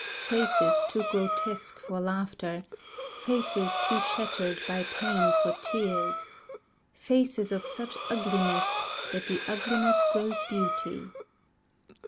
Faces too grotesque for laughter, Faces too shattered by pain for tears, Faces of such ugliness That the ugliness grows beauty.